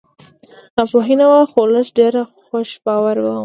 ناپوهي نه وه خو لږ ډېره خوش باوره ومه